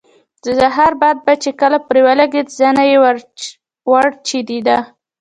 د سهار باد به چې کله پرې ولګېده زنې یې وړچېدې.